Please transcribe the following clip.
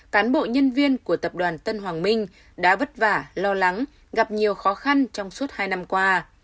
cán bộ nhân viên của tập đoàn tân hoàng minh đã vất vả lo lắng gặp nhiều khó khăn trong suốt hai năm qua